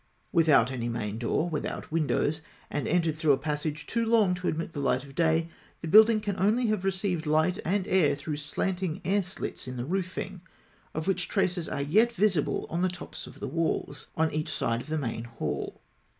Without any main door, without windows, and entered through a passage too long to admit the light of day, the building can only have received light and air through slanting air slits in the roofing, of which traces are yet visible on the tops of the walls (e, e) on each side of the main hall (Note 10).